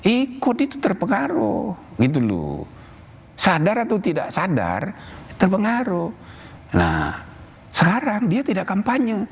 ikut itu terpengaruh gitu loh sadar atau tidak sadar terpengaruh nah sekarang dia tidak kampanye